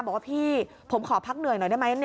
บอกว่าพี่ผมขอพักเหนื่อยหน่อยได้ไหม